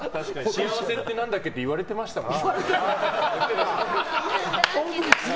幸せって何だっけって言われてましたもんね。